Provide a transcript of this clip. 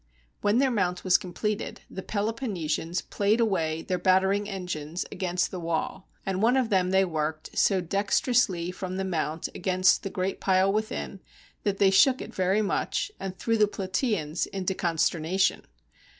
When their mount was completed, the Peloponne sians played away their battering engines against the wall ; and one of them they worked so dextrously from the mount against the great pile within, that they shook it very much, and threw the Plataeans into consternation.